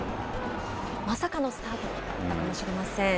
まさかのスタートだったかもしれません。